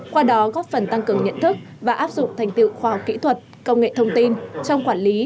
qua đó góp phần tăng cường nhận thức và áp dụng thành tiệu khoa học kỹ thuật công nghệ thông tin trong quản lý